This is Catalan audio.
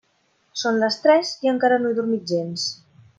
Són les tres i encara no he dormit gens.